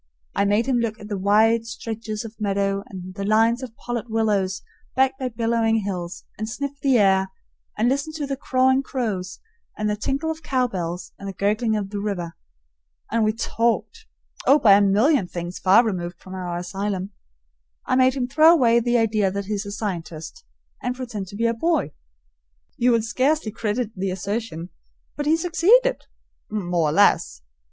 I made him look at the wide stretches of meadow and the lines of pollard willows backed by billowing hills, and sniff the air, and listen to the cawing crows and the tinkle of cowbells and the gurgling of the river. And we talked oh, about a million things far removed from our asylum. I made him throw away the idea that he is a scientist, and pretend to be a boy. You will scarcely credit the assertion, but he succeeded more or less.